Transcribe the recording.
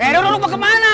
eh lu mau kemana